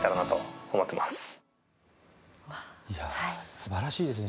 素晴らしいですね。